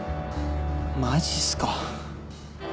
マジっすか。